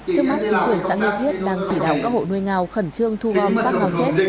trước mắt chính quyền xã nghệ thiết đang chỉ đáo các hộ nuôi ngao khẩn trương thu gom xác ngao chết